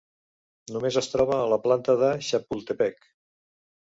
Només es troba a la planta de Chapultepec.